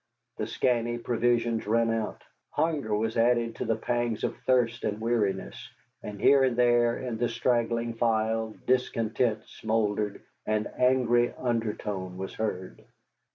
The scanty provisions ran out, hunger was added to the pangs of thirst and weariness, and here and there in the straggling file discontent smouldered and angry undertone was heard.